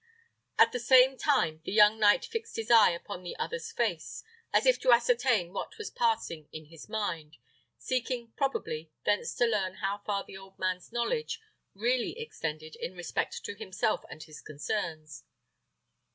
At the same time the young knight fixed his eye upon the other's face, as if to ascertain what was passing in his mind, seeking, probably, thence to learn how far the old man's knowledge really extended in respect to himself and his concerns.